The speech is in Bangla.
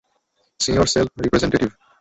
Senior sales representative.